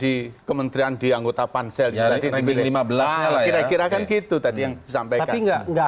di kementerian dianggota pansel ya lebih lima belas kira kira kan gitu tadi yang sampai nggak